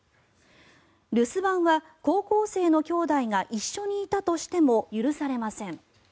留守番は、高校生のきょうだいが一緒にいたとしても許されません。